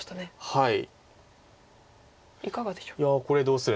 はい。